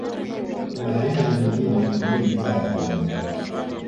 Kuna aina nyingine nyingi za wanyama